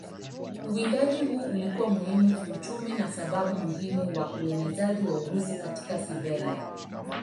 Uwindaji huu ulikuwa muhimu kiuchumi na sababu muhimu kwa uenezaji wa Urusi katika Siberia.